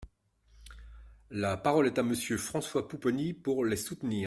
La parole est à Monsieur François Pupponi, pour les soutenir.